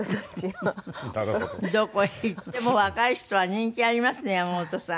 どこへ行っても若い人は人気ありますね山本さん。